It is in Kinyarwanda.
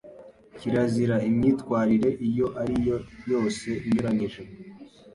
Kirazira: imyitwarire iyo ariyo yose inyuranyije